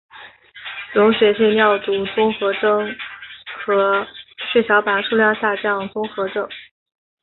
溶血性尿毒综合征和血小板数量下降综合征。